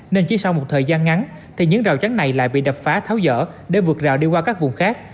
nên chỉ sau một thời gian ngắn thì những rào trắng này lại bị đập phá tháo dở để vượt rào đi qua các vùng khác